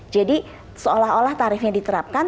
jadi seolah olah tarifnya diterapkan